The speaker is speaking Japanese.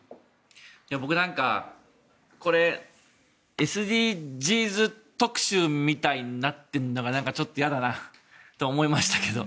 僕、なんかこれＳＤＧｓ特集みたいになってるのがなんかちょっと嫌だなと思いましたけど。